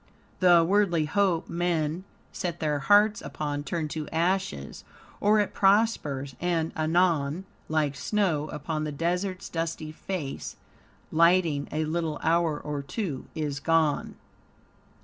"The worldly hope men set their hearts upon turns to ashes; or it prospers, and anon, like snow upon the desert's dusty face, lighting a little hour or two, is gone."